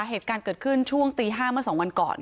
เหตุการณ์เกิดขึ้นช่วงตี๕เมื่อ๒วันก่อน